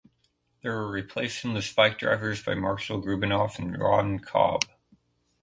They were replaced in the Spike Drivers by Marshall Rubinoff and Ron Cobb.